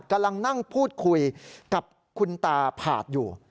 กำลังนั่งพูดคุยกับคุณตาผาดอยู่